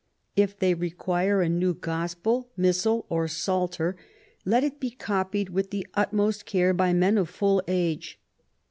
If they require a new gospel, missal, or psalter, let it be copied with the utmost care by men of full age.